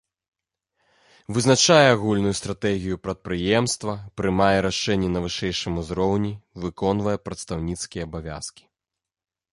Вызначае агульную стратэгію прадпрыемства, прымае рашэнні на вышэйшым узроўні, выконвае прадстаўніцкія абавязкі.